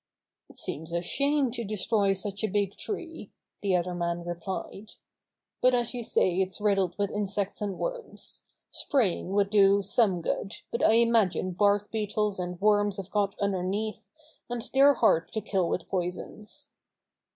"It seems a shame to destroy such a big tree," the other man replied. "But as you say it's riddled with insects and worms. Spray ing would do some good, but I imagine bark beetles and worms have got underneath, and they're hard to kill with poisons."